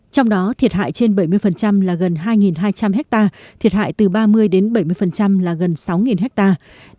trong đó thiệt hại trên bảy mươi là gần hai hai trăm linh hectare thiệt hại từ ba mươi đến bảy mươi là gần sáu hectare